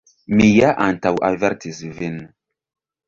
Mi ja antaŭavertis vin